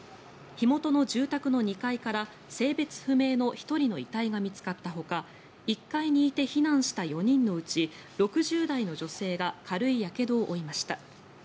火元の住宅の２階から性別不明の１人の遺体が見つかったほか１階にいて避難した４人のうち６０代の女性が軽いやけどを負いました。